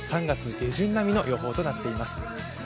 ３月下旬並みの予報となっています